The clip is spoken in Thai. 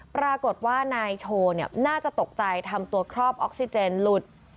ปรากฏว่านายโชว์น่าจะตกใจทำตัวครอบออกซิเจนหลุด